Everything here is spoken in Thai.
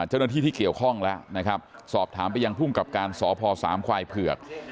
เจ้าหน้าที่ที่เกี่ยวข้องแล้วนะครับสอบถามไปยังภูมิกับการสพสามควายเผือก